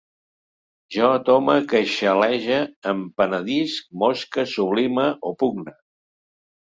Jo tome, queixalege, em penedisc, mosque, sublime, opugne